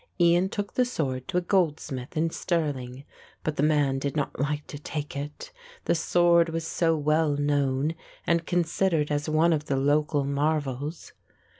Ian took the sword to a goldsmith in Stirling, but the man did not like to take it, the sword was so well known and considered as one of the local marvels.